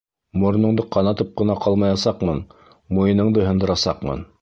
Мороноңдо ҡанатып ҡына ҡалмаясаҡмын, муйыныңды һындырасаҡмын.